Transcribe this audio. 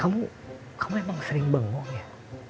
kamu kamu emang sering bengok ya